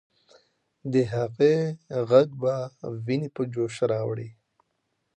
د هغې ږغ به ويني په جوش راوړي.